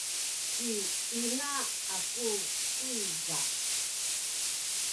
ci ina aku kuyza